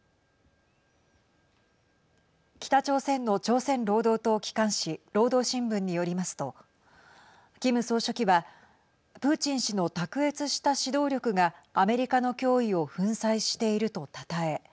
北朝鮮の朝鮮労働党機関紙労働新聞によりますとキム総書記はプーチン氏の卓越した指導力がアメリカの脅威を粉砕しているとたたえ